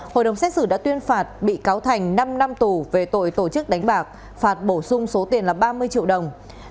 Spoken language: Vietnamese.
hội đồng xét xử đã tuyên phạt bị cáo thành năm năm tù về tội tổ chức đánh bạc phạt bổ sung số tiền là ba mươi triệu đồng